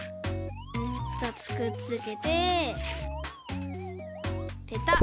ふたつくっつけてペタッ！